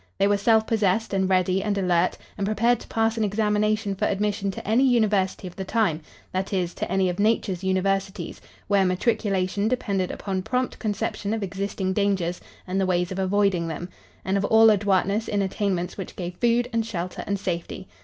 They were self possessed and ready and alert and prepared to pass an examination for admission to any university of the time; that is, to any of Nature's universities, where matriculation depended upon prompt conception of existing dangers and the ways of avoiding them, and of all adroitness in attainments which gave food and shelter and safety.